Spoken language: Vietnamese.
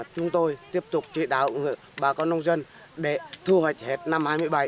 chúng tôi tiếp tục trị đạo bà con nông dân để thu hoạch hết năm hai mươi bảy